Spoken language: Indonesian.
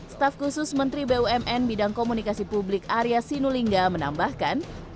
staf khusus menteri bumn bidang komunikasi publik area sinulinga menambahkan